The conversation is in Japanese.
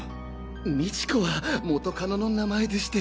「みちこ」は元カノの名前でして。